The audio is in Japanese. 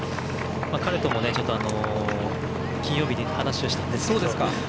彼とも金曜日に話をしたんですが。